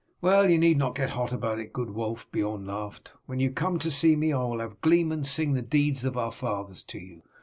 "Well, you need not get hot about it, good Wulf," Beorn laughed. "When you come to see me I will have gleemen to sing the deeds of our fathers to you.